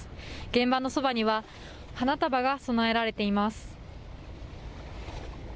現場のそばには、花束が供えられています。